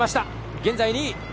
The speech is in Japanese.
現在２位。